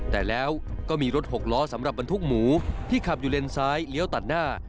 แต่แล้วก็มีรถหกล้อสำหรับบรรทุกหมูที่ขับอยู่เลนซ้ายเลี้ยวตัดหน้า